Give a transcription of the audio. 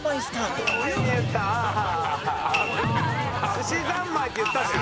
「すしざんまい」って言ったし。